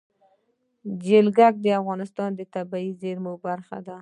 جلګه د افغانستان د طبیعي زیرمو برخه ده.